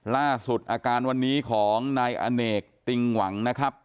ล่าสุดอาการวันนี้ของนายอเนกติงหวังนะครับ